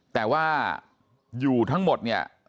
แต่ว่าอยู่ทั้งหมดเนี่ย